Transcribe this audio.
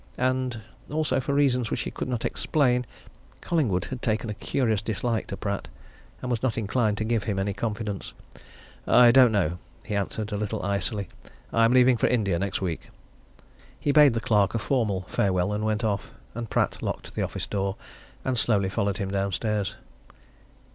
And also for reasons which he could not explain Collingwood had taken a curious dislike to Pratt, and was not inclined to give him any confidence. "I don't know," he answered, a little icily. "I am leaving for India next week." He bade the clerk a formal farewell and went off, and Pratt locked the office door and slowly followed him downstairs.